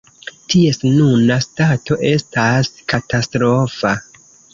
Ties nuna stato estas katastrofa.